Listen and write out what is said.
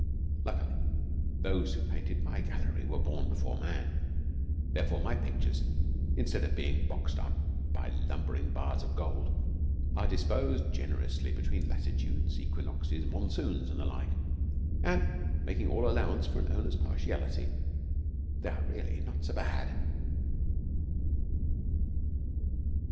Luckily, those who painted my gallery were born before man. Therefore, my pictures, instead of being boxed up by lumbering bars of gold, are disposed generously between latitudes, equinoxes, monsoons, and the like, and, making all allowance for an owner's partiality, they are really not so bad.